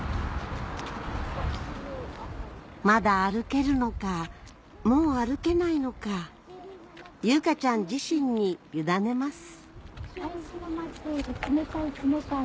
まだ歩けるのかもう歩けないのか悠花ちゃん自身に委ねます